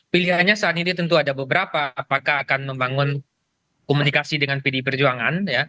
pilihannya saat ini tentu ada beberapa apakah akan membangun komunikasi dengan pdi perjuangan